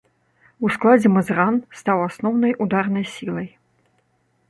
У складзе мазыран стаў асноўнай ударнай сілай.